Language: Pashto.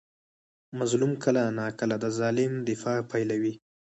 مظلوم کله ناکله د ظالم دفاع پیلوي.